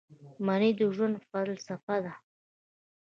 مني د ژوند فلسفه ده